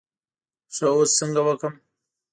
ښه اوس څنګه وکړم.